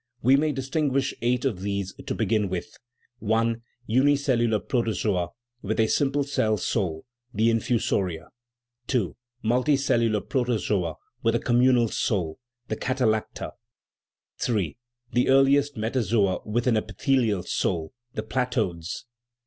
We may distinguish eight of these to begin with : I. Unicellular protozoa with a simple cell soul : the infusoria. II. Multicellular protozoa with a communal soul: the catallacta. III. The earliest metazoa with an epithelial soul: the platodes.